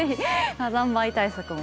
火山灰対策も。